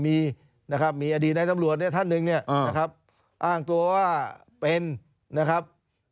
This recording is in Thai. มีอดีตในตำรวจท่านหนึ่งเนี่ยนะครับอ้างตัวว่าเป็นนะครับ